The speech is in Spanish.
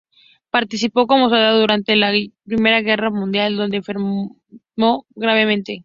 Participó como soldado durante la I Guerra Mundial, donde enfermó gravemente.